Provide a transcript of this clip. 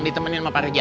ditemenin sama pak riza